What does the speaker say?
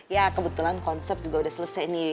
ya kebetulan konsep juga udah selesai nih